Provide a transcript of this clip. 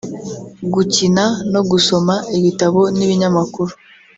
gukina no gusoma ibitabo n’ibinyamakuru